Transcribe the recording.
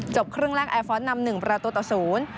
จบครึ่งแรกแอร์ฟอร์สนำ๑ประตูต่อ๐